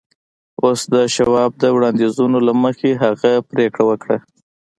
اوس د شواب د وړاندیزونو له مخې هغه پرېکړه وکړه